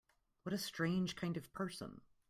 What a strange kind of person!